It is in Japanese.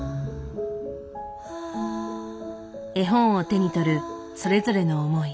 絵本を手に取るそれぞれの思い。